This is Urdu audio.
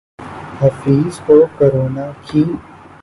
حفیظ کو کرونا کی